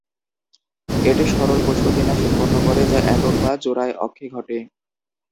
এটি সরল পুষ্পবিন্যাস উৎপন্ন করে যা একক বা জোড়ায় অক্ষে ঘটে।